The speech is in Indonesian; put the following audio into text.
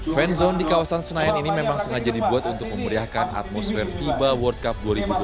fan zone di kawasan senayan ini memang sengaja dibuat untuk memeriahkan atmosfer fiba world cup dua ribu dua puluh